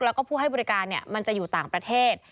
แล้วก็ผู้ให้บริการมันจะอยู่ต่างประเทศ